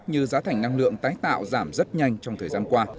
như giá thành năng lượng tái tạo giảm rất nhanh trong thời gian qua